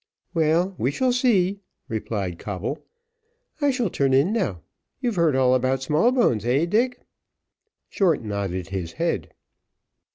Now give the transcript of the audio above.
"Well, we shall see," replied Coble. "I shall turn in now. You've heard all about Smallbones, heh! Dick?" Short nodded his head.